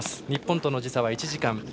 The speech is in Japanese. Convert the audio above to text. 日本との時差は１時間。